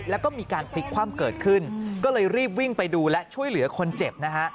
แล้วก็มีการพลิกคว่ำเกิดขึ้นก็เลยรีบวิ่งไปดูและช่วยเหลือคนเจ็บนะฮะ